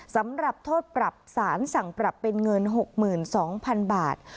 สำหรับโทษปรับสารสั่งปรับเป็นเงิน๖๒๐๐๐บาท